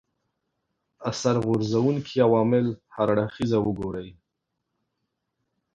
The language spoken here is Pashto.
اثر غورځونکي عوامل هر اړخیزه وګوري